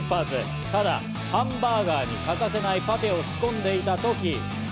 ただ、ハンバーガーに欠かせないパテを仕込んでいたとき。